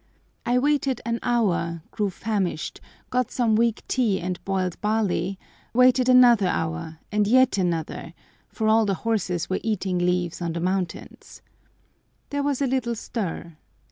I waited an hour, grew famished, got some weak tea and boiled barley, waited another hour, and yet another, for all the horses were eating leaves on the mountains. There was a little stir.